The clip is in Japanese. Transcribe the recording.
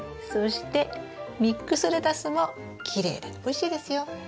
そしてミックスレタスもきれいでおいしいですよ。